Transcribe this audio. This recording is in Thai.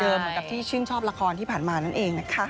เหมือนกับที่ชื่นชอบละครที่ผ่านมานั่นเองนะคะ